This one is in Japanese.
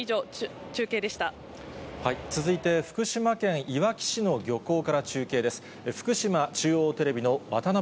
続いて、福島県いわき市の漁港から中継です。